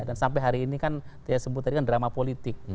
dan sampai hari ini kan disebutkan drama politik